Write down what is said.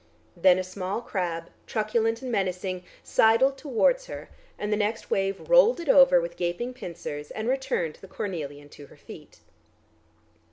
Then a small crab, truculent and menacing, sidled towards her, and the next wave rolled it over with gaping pincers, and returned the cornelian to her feet.